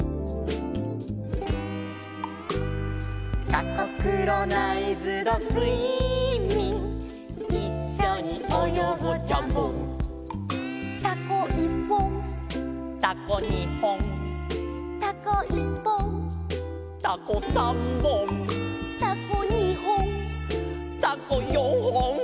「タコクロナイズドスイミング」「いっしょにおよごジャボン」「タコいっぽん」「タコにほん」「タコいっぽん」「タコさんぼん」「タコにほん」「タコよんほん」